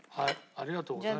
ありがとうございます。